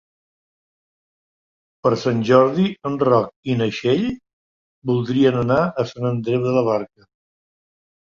Per Sant Jordi en Roc i na Txell voldrien anar a Sant Andreu de la Barca.